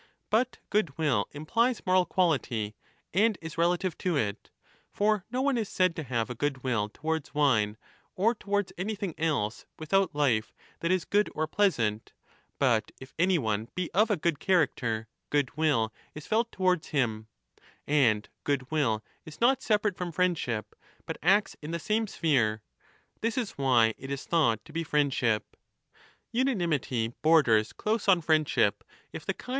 But goodwill implies moral Iquality and is relative to it. For no one is said to have 10 goodwill towards wine or towards anything else without life that is good or pleasant, but if any one be of a good |character, goodwill is felt towards him. And goodwill is pot separate from friendship, but acts in the same sphere. This is why it is thought to be friendship. Unanimity borders close on friendship, if the kind of 40 i2i2ai3 = £^..V. 1 155^32 1 156* 5. 1 166^ 30 1 167a 21: d.E.E. 1241a 1 14. 14 26 = E.